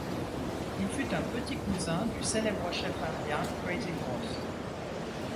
Il fut un petit cousin du célèbre chef indien Crazy Horse.